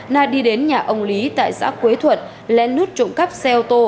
na đi đến nhà ông lý tại xã quế thuận lén lút trộm cắp xe ô tô